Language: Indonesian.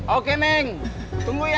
oke neng tunggu ya